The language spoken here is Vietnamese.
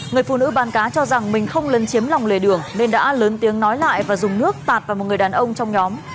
người phụ nữ bán cá cho rằng mình không lấn chiếm lòng lề đường nên đã lớn tiếng nói lại và dùng nước tạt vào một người đàn ông trong nhóm